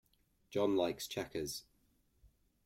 John likes checkers.